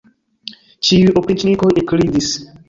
Ĉiuj opriĉnikoj ekridis.